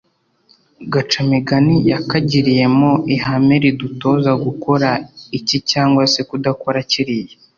Gacamigani yakagiriyemo ihame ridutoza gukora iki cyangwa se kudakora kiriya.